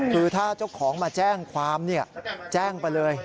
คือถ้าเจ้าของมาแจ้งความแจ้งไปเลย